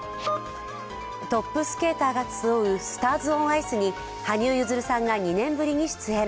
トップスケーターが集う「スターズ・オン・アイス」に羽生結弦さんが２年ぶりに出演。